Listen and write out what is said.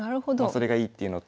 それがいいっていうのと。